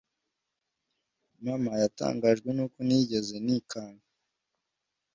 mama yatangajwe n'uko ntigeze nikanga.